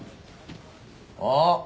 あっ！